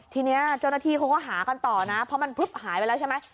ทีนี้เจ้าหน้าที่เขาก็หากันต่อนะเพราะมันพลึบหายไปแล้วใช่ไหม